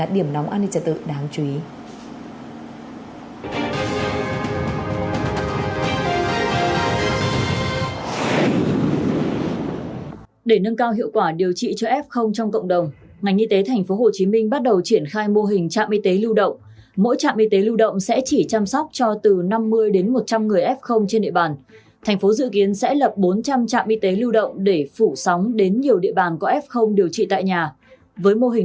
để nâng cao hiệu quả điều trị cho f trong cộng đồng